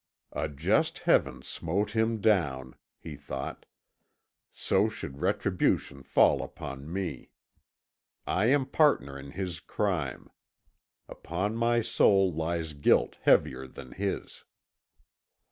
"A just Heaven smote him down," he thought; "so should retribution fall upon me. I am partner in his crime. Upon my soul lies guilt heavier than his."